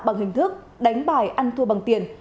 bằng hình thức đánh bài ăn thua bằng tiền